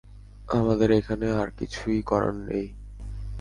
আমাদের এখানে আর কিছুই করার নেই!